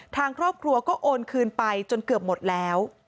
ทางครอบครัวก็โอนคืนไปจนเกือบหมดแล้ว